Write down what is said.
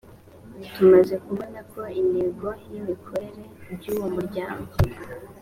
tumaze kubona ko intego n’imikorere by’uwo muryango